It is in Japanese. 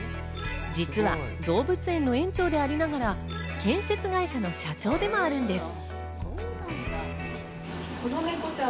実は動物園の園長でありながら、建設会社の社長でもあるんです。